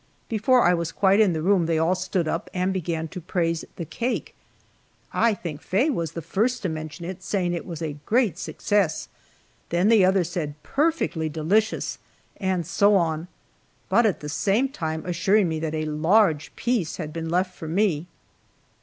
Before I was quite in the room they all stood up and began to praise the cake. I think Faye was the first to mention it, saying it was a "great success"; then the others said "perfectly delicious," and so on, but at the same time assuring me that a large piece had been left for me.